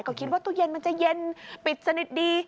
ก็คิดว่าตู้เย็นมันจะเย็นปิดสนิทดี